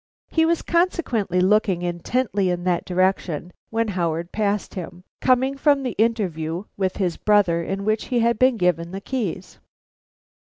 He was consequently looking intently in that direction when Howard passed him, coming from the interview with his brother in which he had been given the keys.